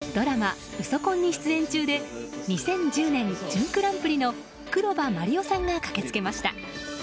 今日のお披露目会にはドラマ「ウソ婚」に出演中で２０１０年、準グランプリの黒羽麻璃央さんが駆けつけました。